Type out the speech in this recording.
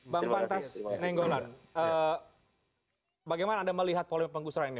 bang pantas nenggolan bagaimana anda melihat pola pengusuran ini